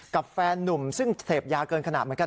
แฟนนุ่มซึ่งเสพยาเกินขนาดเหมือนกัน